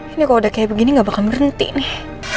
ini kalau udah kayak begini gak bakal berhenti nih